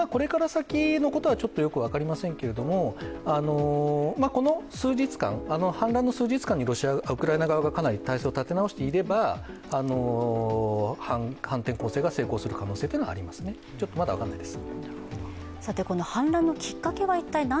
これから先のことはよく分かりませんけれども、この数日間、反乱の数日間にウクライナ側が、かなり体制を立て直していれば反転攻勢が成功する可能性というのはありますね、ちょっとまだ分からないです。